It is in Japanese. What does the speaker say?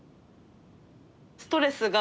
ストレスが。